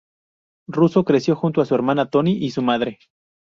Russo creció junto con su hermana Toni y su madre.